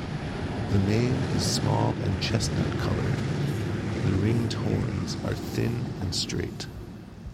The mane is small and chestnut-coloured; the ringed horns are thin and straight.